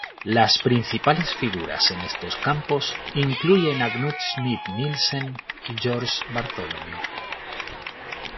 Las principales figuras en estos campos incluyen a Knut Schmidt-Nielsen y George Bartholomew.